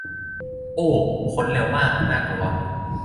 โอ้ ค้นเร็วมาก น่ากลัว